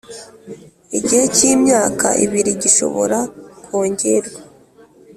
igihe cy imyaka ibiri gishobora kongerwa